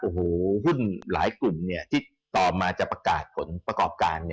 โอ้โหหุ้นหลายกลุ่มที่ต่อมาจะประกาศผลประกอบการ